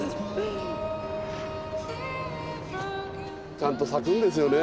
ちゃんと咲くんですよね